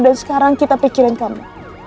dan sekarang kita pikirin kamu